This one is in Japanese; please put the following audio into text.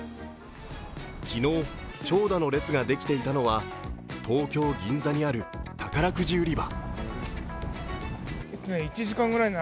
昨日、長蛇の列ができていたのは東京・銀座にある宝くじ売り場。